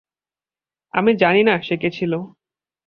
আমি জানিনা সে কে ছিল।